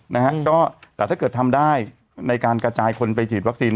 นะฮะก็แต่ถ้าเกิดทำได้ในการกระจายคนไปฉีดวัคซีน